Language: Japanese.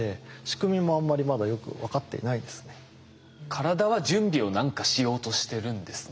体は準備を何かしようとしてるんですね。